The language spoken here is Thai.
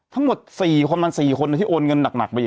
ทั้งหมดความน้ำสี่คนที่โอนเงินหนักไปอย่างนี้